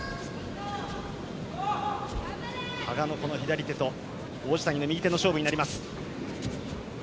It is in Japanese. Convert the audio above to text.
羽賀の左手と王子谷の右手の勝負になります。